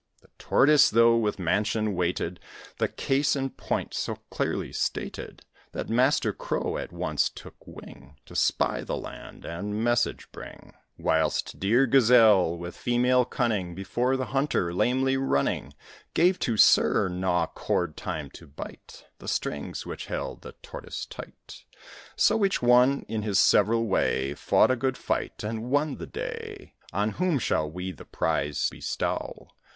The Tortoise, though with mansion weighted, The case in point so clearly stated, That Master Crow at once took wing, To spy the land, and message bring; Whilst dear Gazelle, with female cunning, Before the hunter lamely running, Gave to Sir Gnaw cord time to bite The strings which held the Tortoise tight. So each one, in his several way, Fought a good fight, and won the day. On whom shall we the prize bestow?